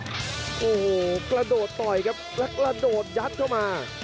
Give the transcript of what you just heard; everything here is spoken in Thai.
โอ้โหกระโดดต่อยครับแล้วกระโดดยัดเข้ามา